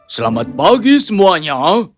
selamat pagi semuanya